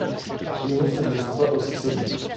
Les nôtre ne sont pas aussi solides.